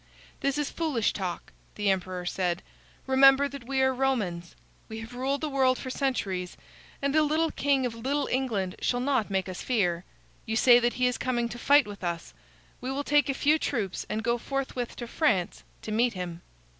"This is foolish talk," the emperor said. "Remember that we are Romans. We have ruled the world for centuries, and a little king of little England shall not make us fear. You say that he is coming to fight with us. We will take a few troops and go forthwith to France to meet him."